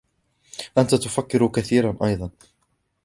أنتَ تُفكِّرُ كثيراً أيضاً